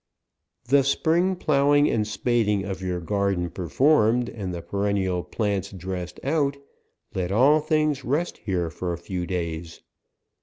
The spring ploughing and spading of your garden performed, and the perennial plants dressed out, let all things rest here for a few days.